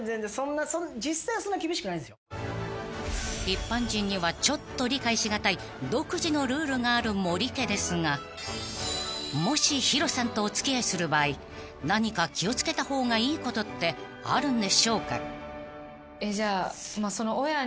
［一般人にはちょっと理解し難い独自のルールがある森家ですがもしＨｉｒｏさんとお付き合いする場合何か気を付けた方がいいことってあるんでしょうか］